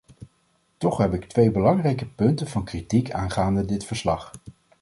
Toch heb ik twee belangrijke punten van kritiek aangaande dit verslag.